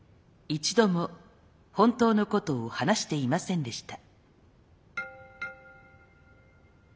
一度も本当のことを話していませんでした。